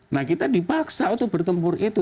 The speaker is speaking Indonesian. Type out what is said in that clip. nah kita dipaksa untuk bertempur itu